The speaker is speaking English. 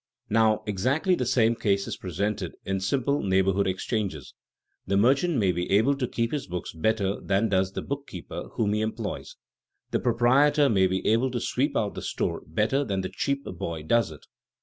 Now, exactly the same case is presented in simple neighborhood exchanges. The merchant may be able to keep his books better than does the bookkeeper whom he employs. The proprietor may be able to sweep out the store better than the cheap boy does it.